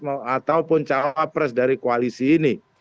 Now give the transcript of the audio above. ataupun cawapres dari koalisi ini